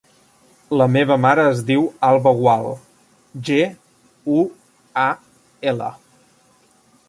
La meva mare es diu Alba Gual: ge, u, a, ela.